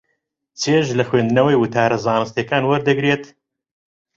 چێژ لە خوێندنەوەی وتارە زانستییەکان وەردەگرێت.